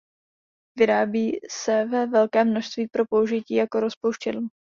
Vyrábí se ve velkém množství pro použití jako rozpouštědlo.